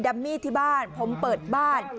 ัมมี่ที่บ้านผมเปิดบ้าน